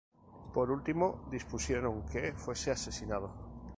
Por último, dispusieron que fuese asesinado.